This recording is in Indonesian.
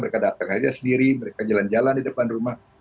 mereka datang saja sendiri mereka jalan jalan di depan rumah